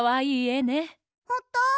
ほんと？